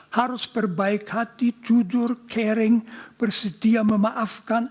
harus perbaik hati jujur caring bersedia memaafkan